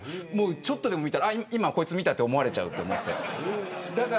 ちょっとでも見たら今、こいつ見たと思われちゃうと思って。